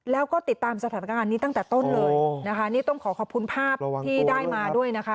แล้วก็ติดตามสถานการณ์นี้ตั้งแต่ต้นเลยนะคะนี่ต้องขอขอบคุณภาพที่ได้มาด้วยนะคะ